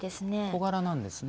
小柄なんですね。